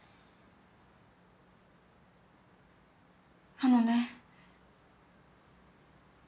あのね。